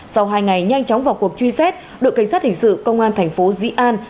sau hai ngày nhanh chóng vào cuộc truy xét đội cảnh sát hình sự công an thành phố dĩ an